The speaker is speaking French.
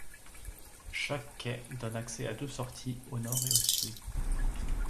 Chaque quai donne accès à deux sorties, au nord et au sud.